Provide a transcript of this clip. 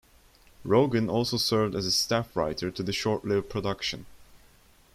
Rogen also served as a staff writer to the short-lived production.